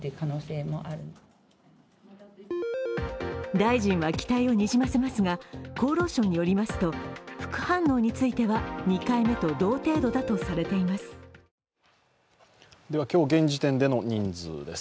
大臣は期待をにじませますが厚労省によりますと副反応については２回目と同程度だとされています。